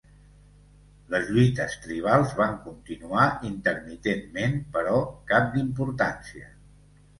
Les lluites tribals van continuar intermitentment però cap d'importància.